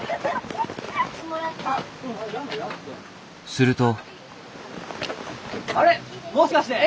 すると。